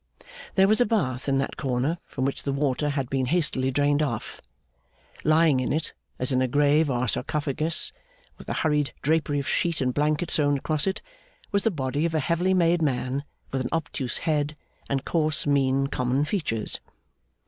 There was a bath in that corner, from which the water had been hastily drained off. Lying in it, as in a grave or sarcophagus, with a hurried drapery of sheet and blanket thrown across it, was the body of a heavily made man, with an obtuse head, and coarse, mean, common features.